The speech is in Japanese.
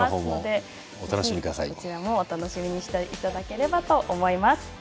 そちらもお楽しみにしていただければと思います。